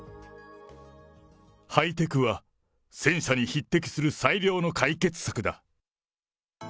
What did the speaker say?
ハイテクは戦車に匹敵する最良の解決策だ。